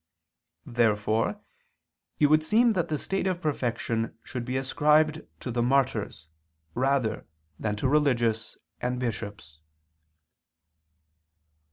Therefore it would seem that the state of perfection should be ascribed to the martyrs rather than to religious and bishops.